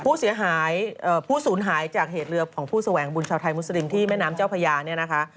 ผู้เสียหายผู้สูญหายจากเหตุเรือของผู้แสวงบุญชาวไทยมุสลิมที่แม่น้ำเจ้าพญาเนี่ยนะคะ